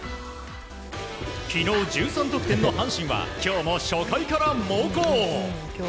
昨日、１３得点の阪神は今日も初回から猛攻。